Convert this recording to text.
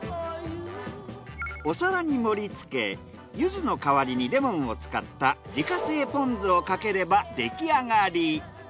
お皿に盛りつけ柚子の代わりにレモンを使った自家製ポン酢をかければできあがり。